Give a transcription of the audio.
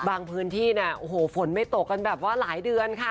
บางพื้นที่ฝนไม่ตกกันแบบว่าหลายเดือนค่ะ